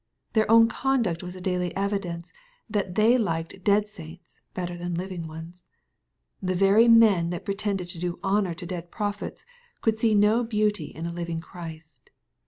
Their own conduct was a daily evidence that they liked dead saints better than living ones. TThe very men that pretended to honor dead prophets, could see no beauty in a living Christ.